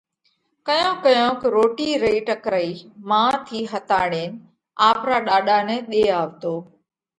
ڪيونڪ ڪيونڪ روٽِي رئِي ٽڪرئِي مان ٿِي ۿتاڙينَ آپرا ڏاڏا نئہ ۮي آوَتو۔